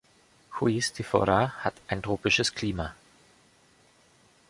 Juiz de Fora hat ein tropisches Klima.